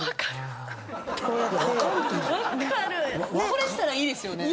それしたらいいですよね。